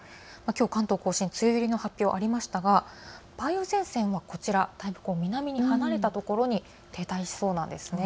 関東甲信、梅雨入りの発表がありましたが梅雨前線はこちら、南の離れたところに停滞しそうなんです。